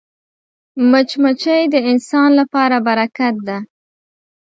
مچمچۍ د انسان لپاره برکت ده